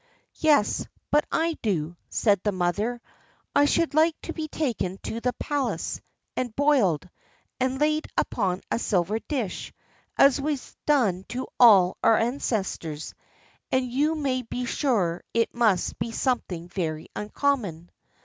"Yes, but I do," said the mother; "I should like to be taken to the palace, and boiled, and laid upon a silver dish, as was done to all our ancestors; and you may be sure it must be something very uncommon."